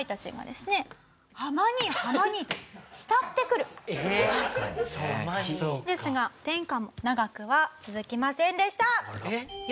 ですが天下も長くは続きませんでした。